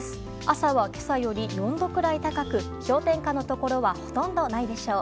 朝は今朝より４度くらい高く氷点下のところはほとんどないでしょう。